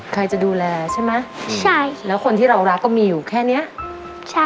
ใครจะดูแลใช่ไหมใช่แล้วคนที่เรารักก็มีอยู่แค่เนี้ยใช่